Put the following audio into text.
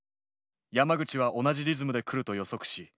山口は同じリズムで来ると予測し